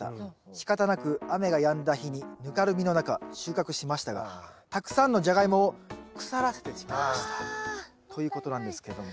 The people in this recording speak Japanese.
しかたなく雨がやんだ日にぬかるみの中収穫しましたがたくさんのジャガイモを腐らせてしまいました」。ということなんですけども。